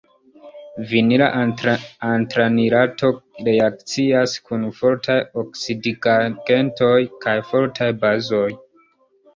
Vinila antranilato reakcias kun fortaj oksidigagentoj kaj fortaj bazoj.